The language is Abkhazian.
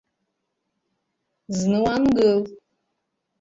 Зны уаангыл!